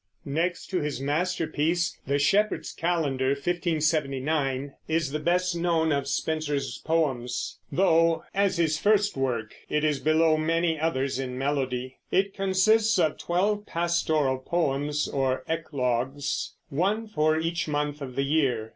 Next to his masterpiece, the Shepherd's Calendar (1579) is the best known of Spenser's poems; though, as his first work, it is below many others in melody. It consists of twelve pastoral poems, or eclogues, one for each month of the year.